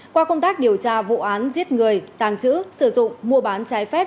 qua công tác điều tra vụ án giết người tàng trữ sử dụng mua bán trái phép